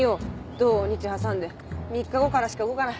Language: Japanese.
土日挟んで３日後からしか動かない。